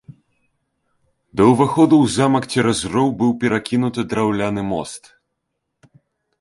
Да ўваходу ў замак цераз роў быў перакінуты драўляны мост.